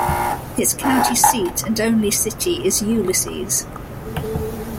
Its county seat and only city is Ulysses.